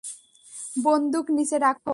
বন্দুক নিচে রাখো।